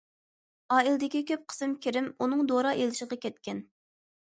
ئائىلىدىكى كۆپ قىسىم كىرىم ئۇنىڭ دورا ئېلىشىغا كەتكەن.